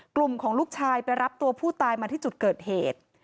กลุ่มของลูกชายไปรับตัวผู้ตายมาที่จุดเกิดเหตุ